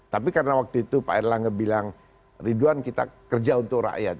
tapi karena waktu itu pak erlangga bilang ridwan kita kerja untuk rakyat